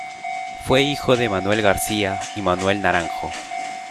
Fue hijo de Manuel García y Manuela Naranjo.